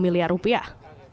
sembilan puluh miliar rupiah